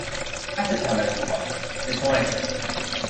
تحت توجهات...، به کمک...